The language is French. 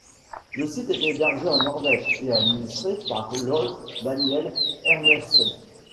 Le site est hébergé en Norvège et est administré par l' Ole Daniel Enersen.